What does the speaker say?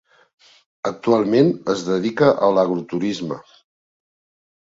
Actualment es dedica a l'agroturisme.